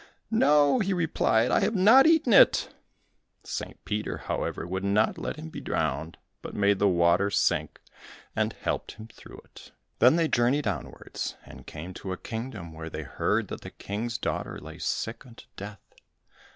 "No," he replied, "I have not eaten it." St. Peter, however, would not let him be drowned, but made the water sink and helped him through it. Then they journeyed onwards, and came to a kingdom where they heard that the King's daughter lay sick unto death.